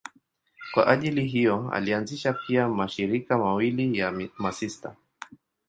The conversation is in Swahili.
Kwa ajili hiyo alianzisha pia mashirika mawili ya masista.